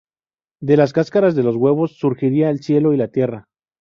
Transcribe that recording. De las cáscaras de los huevos, surgirán el cielo y la tierra.